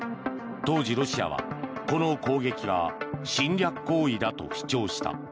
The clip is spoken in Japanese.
当時、ロシアはこの攻撃が侵略行為だと主張した。